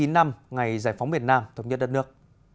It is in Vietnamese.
bốn mươi chín năm ngày giải phóng việt nam thống nhất đất nước